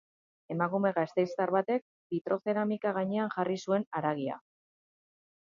Emakume gasteiztar batek bitrozeramika gainean jarri zuen haragia.